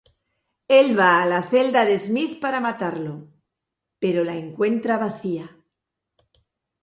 Él va a la celda de Smith para matarlo, pero la encuentra vacía.